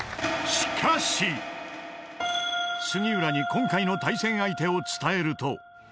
［杉浦に今回の対戦相手を伝えると］